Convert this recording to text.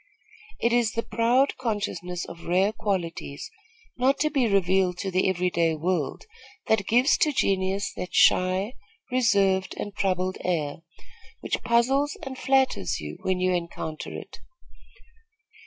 It is the proud consciousness of rare qualities, not to be revealed to the every day world, that gives to genius that shy, reserved and troubled air, which puzzles and flatters you, when you encounter it.